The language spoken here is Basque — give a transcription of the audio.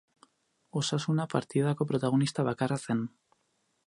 Osasuna partidako protagonista bakarra zen.